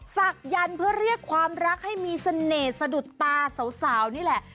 ศักยันต์เพื่อเรียกความรักให้มีเสน่ห์สะดุดตาสาวนี่แหละ